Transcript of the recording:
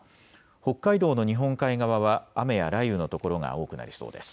北海道の日本海側は雨や雷雨の所が多くなりそうです。